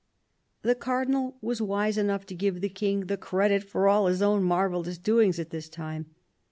The Cardinal was wise enough to give the King the credit of all his own marvellous doings at this time.